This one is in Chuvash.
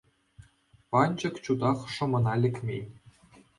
Ванчӑк чутах шӑмӑна лекмен.